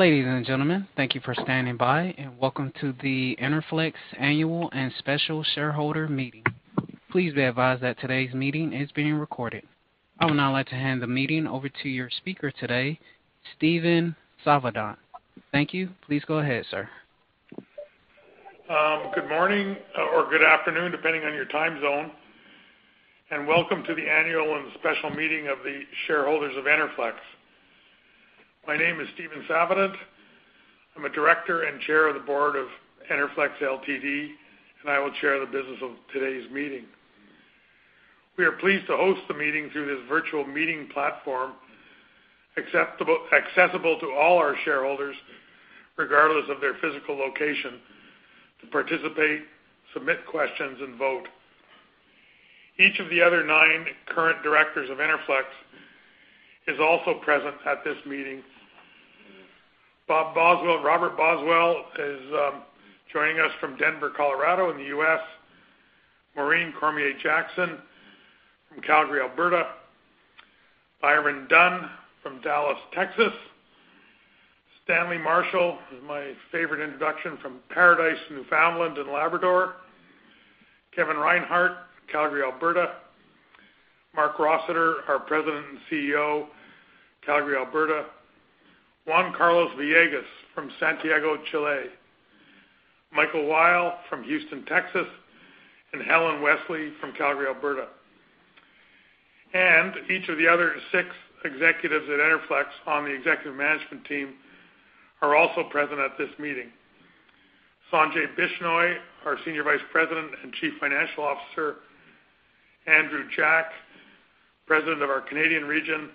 Ladies and gentlemen, thank you for standing by, and welcome to the Enerflex Annual and Special Shareholder Meeting. Please be advised that today's meeting is being recorded. I would now like to hand the meeting over to your speaker today, Stephen Savidant. Thank you. Please go ahead, sir. Good morning or good afternoon, depending on your time zone, and welcome to the annual and special meeting of the shareholders of Enerflex. My name is Stephen Savidant. I'm a director and chair of the board of Enerflex Ltd., and I will chair the business of today's meeting. We are pleased to host the meeting through this virtual meeting platform, accessible to all our shareholders, regardless of their physical location, to participate, submit questions, and vote. Each of the other nine current directors of Enerflex is also present at this meeting. Robert Boswell is joining us from Denver, Colorado in the U.S. Maureen Cormier Jackson from Calgary, Alberta. Byron Dunn from Dallas, Texas. Stanley Marshall, is my favorite introduction from Paradise, Newfoundland and Labrador. Kevin Reinhart, Calgary, Alberta. Marc Rossiter, our president and CEO, Calgary, Alberta. Juan Carlos Villegas from Santiago, Chile. Michael Weill from Houston, Texas, Helen Wesley from Calgary, Alberta. Each of the other six executives at Enerflex on the executive management team are also present at this meeting. Sanjay Bishnoi, our Senior Vice President and Chief Financial Officer. Andrew Jack, President of our Canadian region.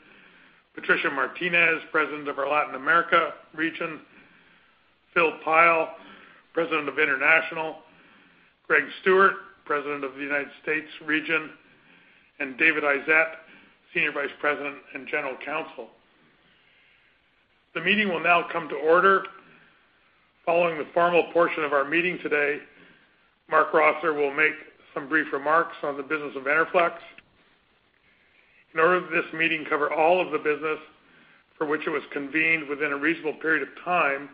Patricia Martinez, President of our Latin America region. Phil Pyle, President of International. Greg Stewart, President of the United States region, and David Izett, Senior Vice President and General Counsel. The meeting will now come to order. Following the formal portion of our meeting today, Marc Rossiter will make some brief remarks on the business of Enerflex. In order for this meeting to cover all of the business for which it was convened within a reasonable period of time,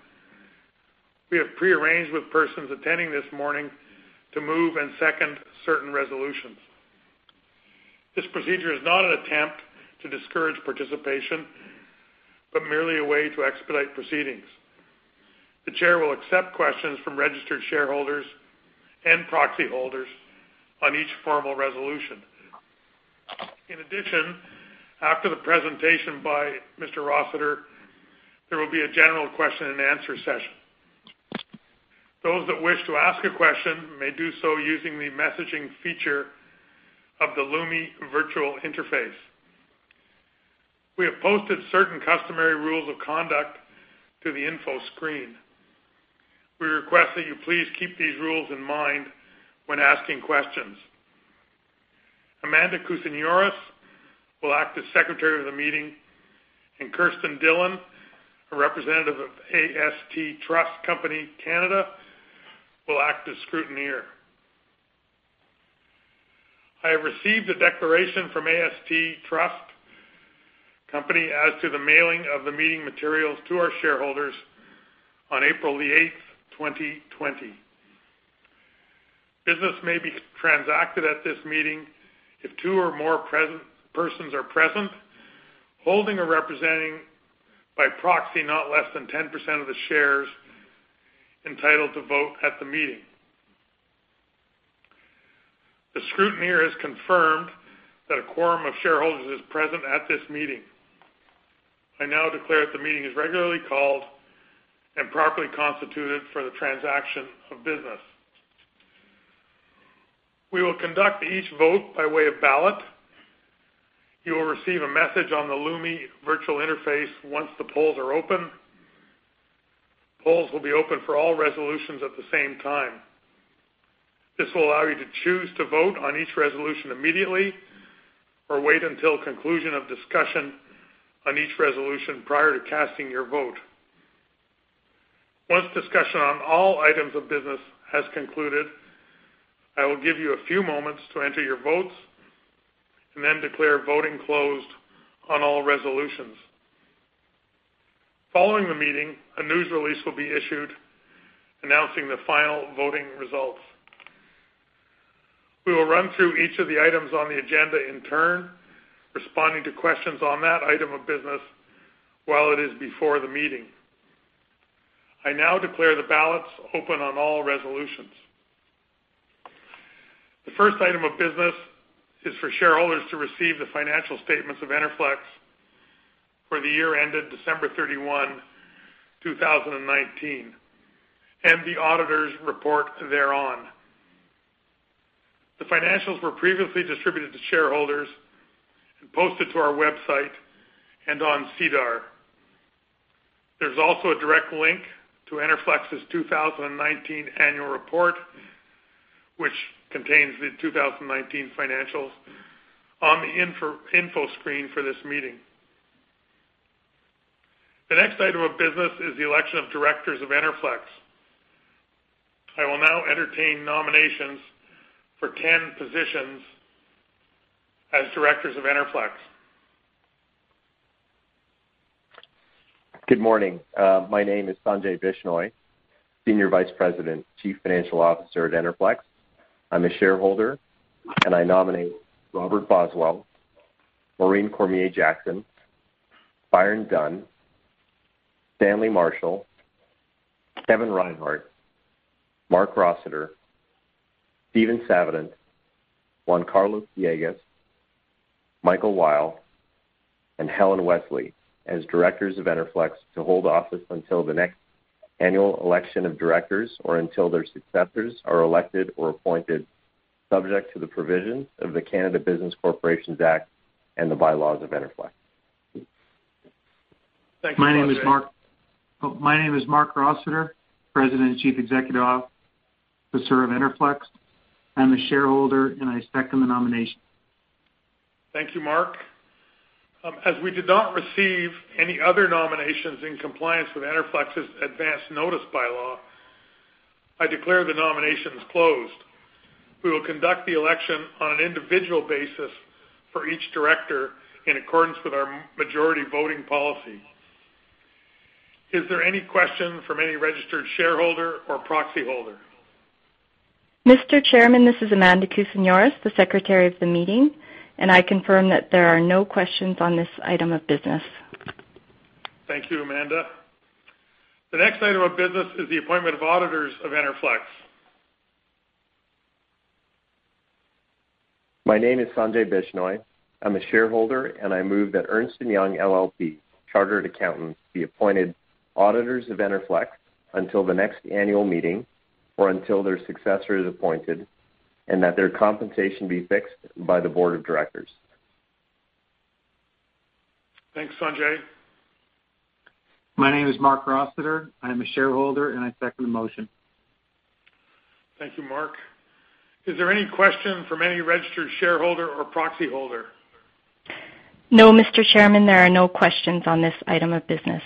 we have prearranged with persons attending this morning to move and second certain resolutions. This procedure is not an attempt to discourage participation, but merely a way to expedite proceedings. The chair will accept questions from registered shareholders and proxy holders on each formal resolution. In addition, after the presentation by Mr. Rossiter, there will be a general question-and-answer session. Those that wish to ask a question may do so using the messaging feature of the Lumi virtual interface. We have posted certain customary rules of conduct to the info screen. We request that you please keep these rules in mind when asking questions. Amanda Kousinioris will act as secretary of the meeting, and Kirsten Dillon, a representative of AST Trust Company (Canada), will act as scrutineer. I have received a declaration from AST Trust Company as to the mailing of the meeting materials to our shareholders on April the 8th, 2020. Business may be transacted at this meeting if two or more persons are present, holding or representing by proxy, not less than 10% of the shares entitled to vote at the meeting. The scrutineer has confirmed that a quorum of shareholders is present at this meeting. I now declare that the meeting is regularly called and properly constituted for the transaction of business. We will conduct each vote by way of ballot. You will receive a message on the Lumi virtual interface once the polls are open. Polls will be open for all resolutions at the same time. This will allow you to choose to vote on each resolution immediately or wait until conclusion of discussion on each resolution prior to casting your vote. Once discussion on all items of business has concluded, I will give you a few moments to enter your votes and then declare voting closed on all resolutions. Following the meeting, a news release will be issued announcing the final voting results. We will run through each of the items on the agenda in turn, responding to questions on that item of business while it is before the meeting. I now declare the ballots open on all resolutions. The first item of business is for shareholders to receive the financial statements of Enerflex for the year ended December 31, 2019, and the auditor's report thereon. The financials were previously distributed to shareholders and posted to our website and on SEDAR. There's also a direct link to Enerflex's 2019 annual report, which contains the 2019 financials on the info screen for this meeting. The next item of business is the election of directors of Enerflex. I will now entertain nominations for 10 positions as directors of Enerflex. Good morning. My name is Sanjay Bishnoi, Senior Vice President, Chief Financial Officer at Enerflex. I'm a shareholder, and I nominate Robert Boswell, Maureen Cormier Jackson, Byron Dunn, Stanley Marshall, Kevin Reinhart, Marc Rossiter, Stephen Savidant, Juan Carlos Villegas, Michael Weill, and Helen Wesley as directors of Enerflex to hold office until the next annual election of directors or until their successors are elected or appointed, subject to the provisions of the Canada Business Corporations Act and the bylaws of Enerflex. Thank you, Sanjay. My name is Marc Rossiter, President and Chief Executive Officer of Enerflex. I'm a shareholder, and I second the nomination. Thank you, Marc. As we did not receive any other nominations in compliance with Enerflex's advance notice bylaw, I declare the nominations closed. We will conduct the election on an individual basis for each director in accordance with our majority voting policy. Is there any question from any registered shareholder or proxy holder? Mr. Chairman, this is Amanda Kousinioris, the Secretary of the meeting, and I confirm that there are no questions on this item of business. Thank you, Amanda. The next item of business is the appointment of auditors of Enerflex. My name is Sanjay Bishnoi. I'm a shareholder, and I move that Ernst & Young LLP, chartered accountants, be appointed auditors of Enerflex until the next annual meeting or until their successor is appointed, and that their compensation be fixed by the board of directors. Thanks, Sanjay. My name is Marc Rossiter. I am a shareholder. I second the motion. Thank you, Marc. Is there any question from any registered shareholder or proxy holder? No, Mr. Chairman, there are no questions on this item of business.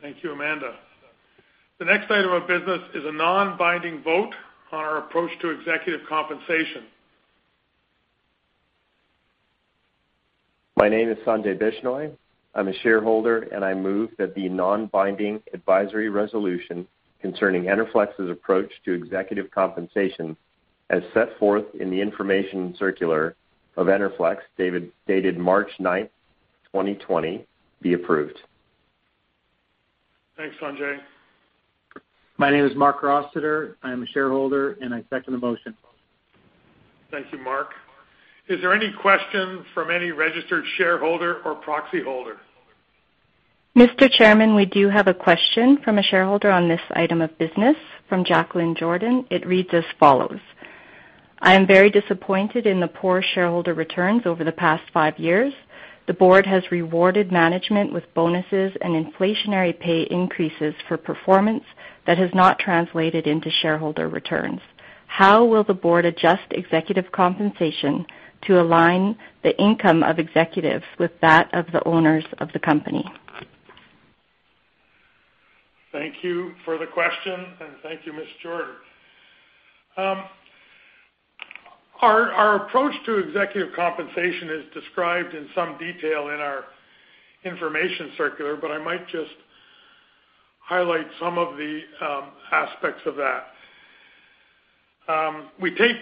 Thank you, Amanda. The next item of business is a non-binding vote on our approach to executive compensation. My name is Sanjay Bishnoi. I'm a shareholder, and I move that the non-binding advisory resolution concerning Enerflex's approach to executive compensation, as set forth in the information circular of Enerflex dated March 9th, 2020, be approved. Thanks, Sanjay. My name is Marc Rossiter. I am a shareholder, and I second the motion. Thank you, Marc. Is there any question from any registered shareholder or proxy holder? Mr. Chairman, we do have a question from a shareholder on this item of business from Jacqueline Jordan. It reads as follows: "I am very disappointed in the poor shareholder returns over the past five years. The board has rewarded management with bonuses and inflationary pay increases for performance that has not translated into shareholder returns. How will the board adjust executive compensation to align the income of executives with that of the owners of the company? Thank you for the question, and thank you, Ms. Jordan. Our approach to executive compensation is described in some detail in our information circular, but I might just highlight some of the aspects of that. We take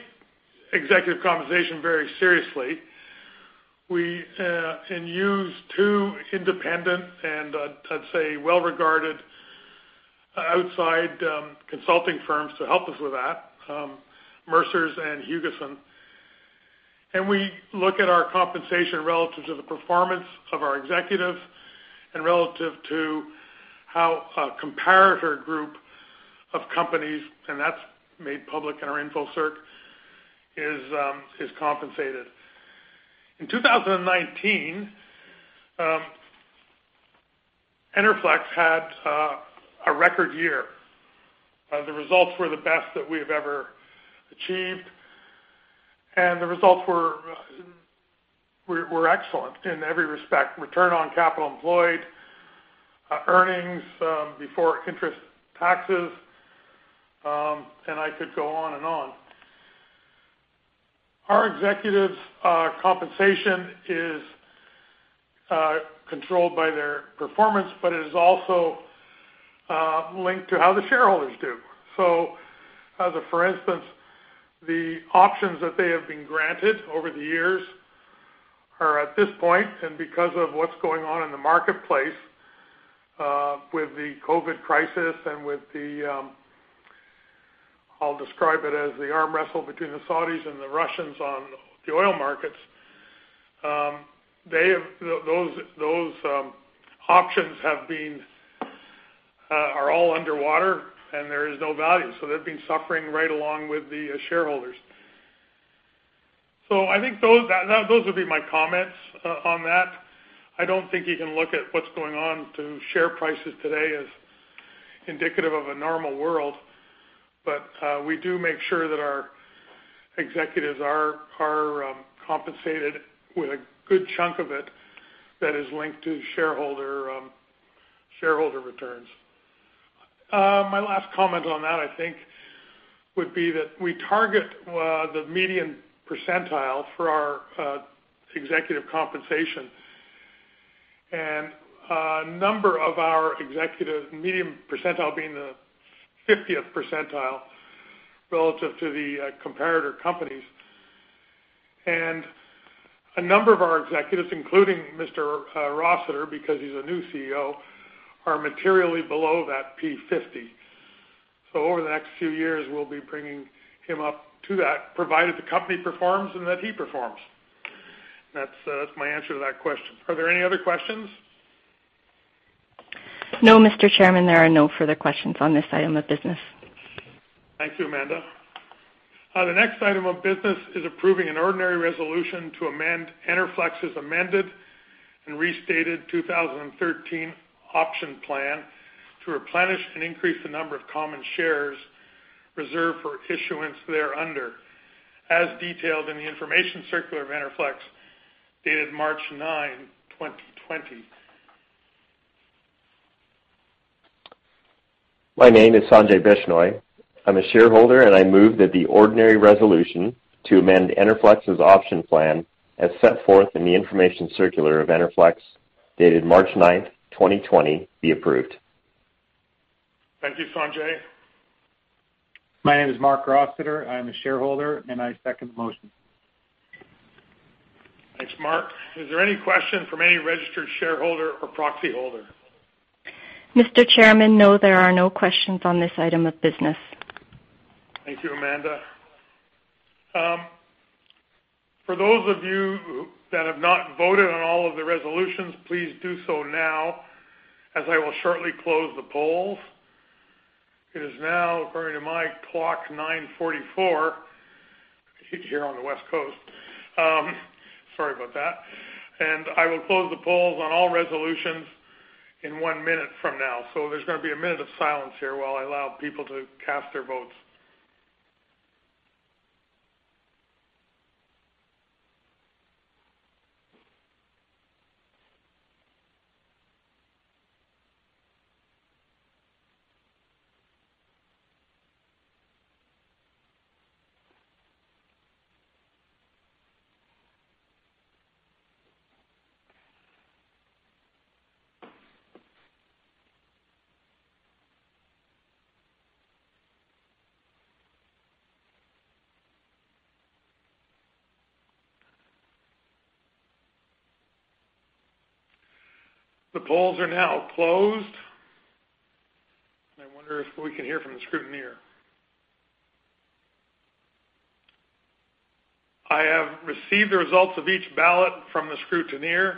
executive compensation very seriously. We use two independent, and I'd say well-regarded, outside consulting firms to help us with that, Mercer and Hugessen. We look at our compensation relative to the performance of our executives and relative to how a comparator group of companies, and that's made public in our info circ, is compensated. In 2019, Enerflex had a record year. The results were the best that we have ever achieved, and the results were excellent in every respect, return on capital employed, earnings before interest taxes, and I could go on and on. Our executives' compensation is controlled by their performance, but it is also linked to how the shareholders do. As a for instance, the options that they have been granted over the years are at this point, and because of what's going on in the marketplace with the COVID-19 crisis and with the, I'll describe it as the arm wrestle between the Saudis and the Russians on the oil markets, those options are all underwater, and there is no value. They've been suffering right along with the shareholders. I think those would be my comments on that. I don't think you can look at what's going on to share prices today as indicative of a normal world. We do make sure that our executives are compensated with a good chunk of it that is linked to shareholder returns. My last comment on that, I think would be that we target the median percentile for our executive compensation. A number of our executive median percentile being the 50th percentile relative to the comparator companies. A number of our executives, including Mr. Rossiter, because he's a new CEO, are materially below that P50. Over the next few years, we'll be bringing him up to that, provided the company performs and that he performs. That's my answer to that question. Are there any other questions? No, Mr. Chairman, there are no further questions on this item of business. Thank you, Amanda. The next item of business is approving an ordinary resolution to amend Enerflex's amended and restated 2013 Option Plan to replenish and increase the number of common shares reserved for issuance thereunder, as detailed in the information circular of Enerflex, dated March 9, 2020. My name is Sanjay Bishnoi. I'm a shareholder, and I move that the ordinary resolution to amend Enerflex's option plan, as set forth in the information circular of Enerflex, dated March 9, 2020, be approved. Thank you, Sanjay. My name is Marc Rossiter. I am a shareholder. I second the motion. Thanks, Marc. Is there any question from any registered shareholder or proxy holder? Mr. Chairman, no, there are no questions on this item of business. Thank you, Amanda. For those of you that have not voted on all of the resolutions, please do so now, as I will shortly close the polls. It is now, according to my clock, 9:44 A.M. here on the West Coast. Sorry about that. I will close the polls on all resolutions in one minute from now. There's gonna be a minute of silence here while I allow people to cast their votes. The polls are now closed. I wonder if we can hear from the scrutineer. I have received the results of each ballot from the scrutineer,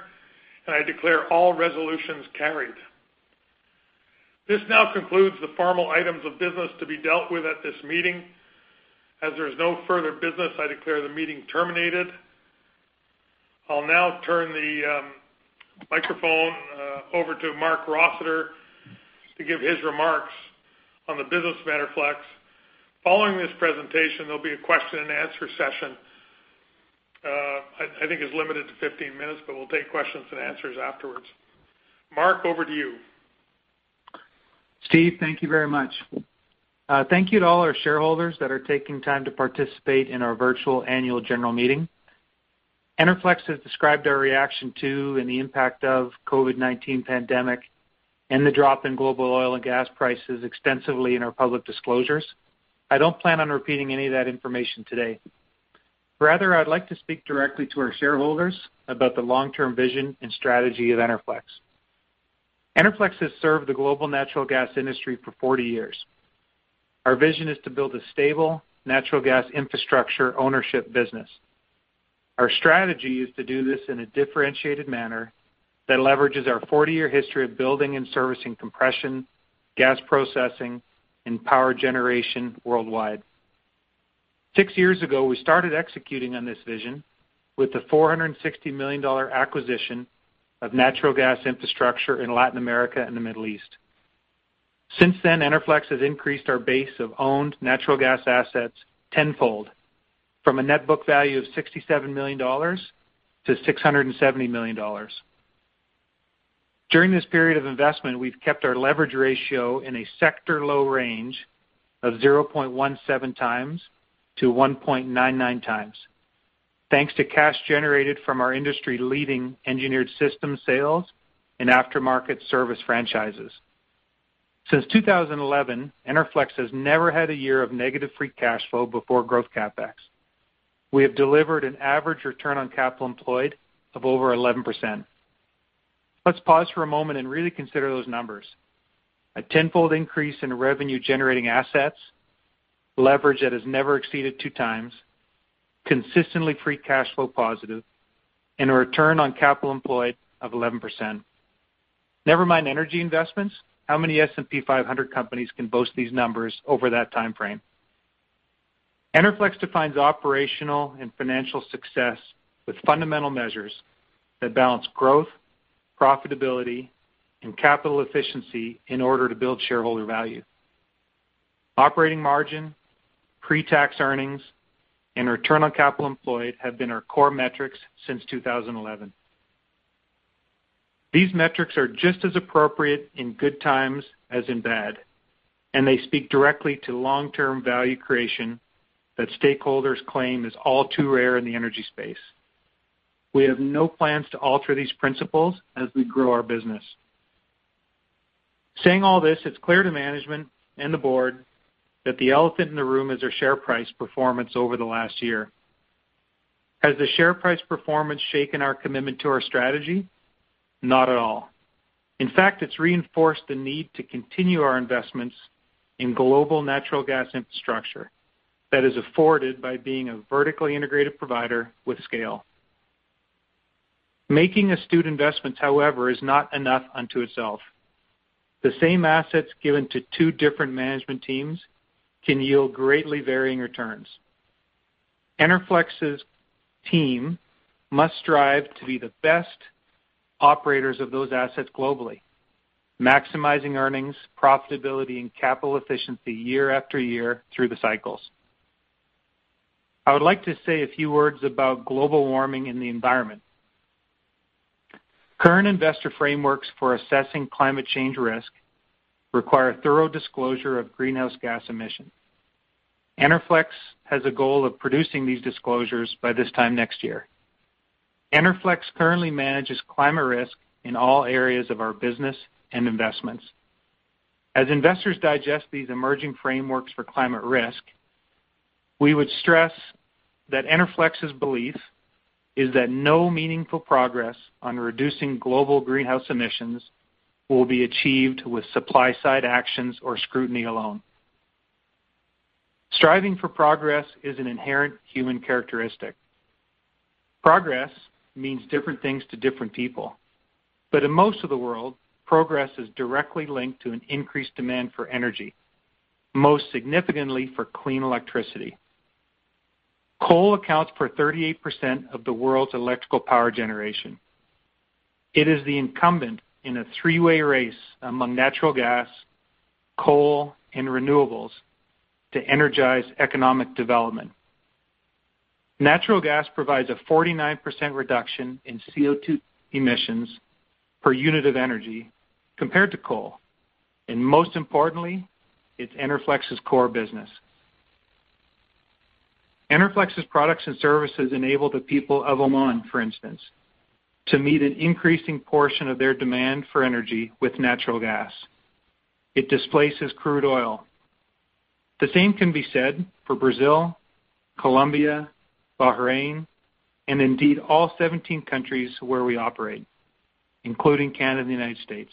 and I declare all resolutions carried. This now concludes the formal items of business to be dealt with at this meeting. As there is no further business, I declare the meeting terminated. I'll now turn the microphone over to Marc Rossiter to give his remarks on the business of Enerflex. Following this presentation, there'll be a question-and-answer session. I think it's limited to 15 minutes, but we'll take questions-and-answers afterwards. Marc, over to you. Steve, thank you very much. Thank you to all our shareholders that are taking time to participate in our virtual annual general meeting. Enerflex has described our reaction to and the impact of COVID-19 pandemic and the drop in global oil and gas prices extensively in our public disclosures. I don't plan on repeating any of that information today. Rather, I'd like to speak directly to our shareholders about the long-term vision and strategy of Enerflex. Enerflex has served the global natural gas industry for 40 years. Our vision is to build a stable natural gas infrastructure ownership business. Our strategy is to do this in a differentiated manner that leverages our 40-year history of building and servicing compression, gas processing, and power generation worldwide. Six years ago, we started executing on this vision with the 460 million dollar acquisition of natural gas infrastructure in Latin America and the Middle East. Since then, Enerflex has increased our base of owned natural gas assets tenfold from a net book value of 67 million dollars to 670 million dollars. During this period of investment, we've kept our leverage ratio in a sector-low range of 0.17 times to 1.99 times, thanks to cash generated from our industry-leading Engineered Systems sales and After-Market Services franchises. Since 2011, Enerflex has never had a year of negative free cash flow before growth CapEx. We have delivered an average return on capital employed of over 11%. Let's pause for a moment and really consider those numbers. A tenfold increase in revenue-generating assets, leverage that has never exceeded 2x, consistently free cash flow positive, and a return on capital employed of 11%. Never mind energy investments, how many S&P 500 companies can boast these numbers over that timeframe? Enerflex defines operational and financial success with fundamental measures that balance growth, profitability, and capital efficiency in order to build shareholder value. Operating margin, pre-tax earnings, and return on capital employed have been our core metrics since 2011. These metrics are just as appropriate in good times as in bad, and they speak directly to long-term value creation that stakeholders claim is all too rare in the energy space. We have no plans to alter these principles as we grow our business. Saying all this, it's clear to management and the board that the elephant in the room is our share price performance over the last year. Has the share price performance shaken our commitment to our strategy? Not at all. In fact, it's reinforced the need to continue our investments in global natural gas infrastructure that is afforded by being a vertically integrated provider with scale. Making astute investments, however, is not enough unto itself. The same assets given to two different management teams can yield greatly varying returns. Enerflex's team must strive to be the best operators of those assets globally, maximizing earnings, profitability, and capital efficiency year after year through the cycles. I would like to say a few words about global warming and the environment. Current investor frameworks for assessing climate change risk require thorough disclosure of greenhouse gas emissions. Enerflex has a goal of producing these disclosures by this time next year. Enerflex currently manages climate risk in all areas of our business and investments. As investors digest these emerging frameworks for climate risk, we would stress that Enerflex's belief is that no meaningful progress on reducing global greenhouse emissions will be achieved with supply-side actions or scrutiny alone. Striving for progress is an inherent human characteristic. Progress means different things to different people. In most of the world, progress is directly linked to an increased demand for energy, most significantly for clean electricity. Coal accounts for 38% of the world's electrical power generation. It is the incumbent in a three-way race among natural gas, coal, and renewables to energize economic development. Natural gas provides a 49% reduction in CO2 emissions per unit of energy compared to coal, and most importantly, it's Enerflex's core business. Enerflex's products and services enable the people of Oman, for instance, to meet an increasing portion of their demand for energy with natural gas. It displaces crude oil. The same can be said for Brazil, Colombia, Bahrain, and indeed all 17 countries where we operate, including Canada and the United States.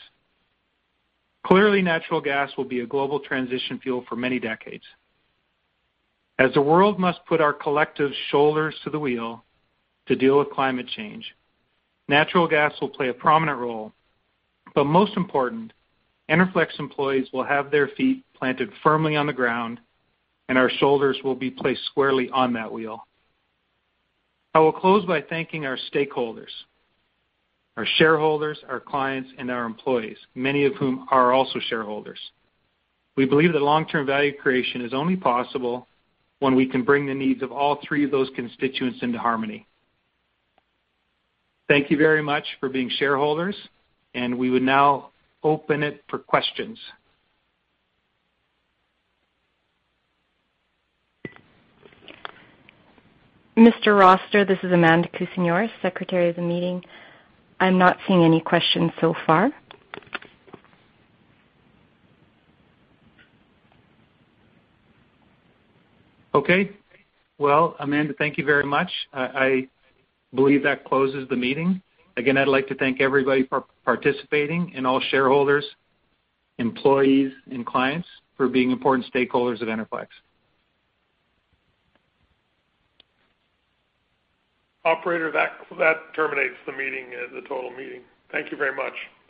Clearly, natural gas will be a global transition fuel for many decades. As the world must put our collective shoulders to the wheel to deal with climate change, natural gas will play a prominent role. Most important, Enerflex employees will have their feet planted firmly on the ground, and our shoulders will be placed squarely on that wheel. I will close by thanking our stakeholders, our shareholders, our clients, and our employees, many of whom are also shareholders. We believe that long-term value creation is only possible when we can bring the needs of all three of those constituents into harmony. Thank you very much for being shareholders, and we would now open it for questions. Mr. Rossiter, this is Amanda Kousinioris, Secretary of the meeting. I'm not seeing any questions so far. Okay. Well, Amanda, thank you very much. I believe that closes the meeting. Again, I'd like to thank everybody for participating and all shareholders, employees, and clients for being important stakeholders of Enerflex. Operator, that terminates the meeting, the total meeting. Thank you very much.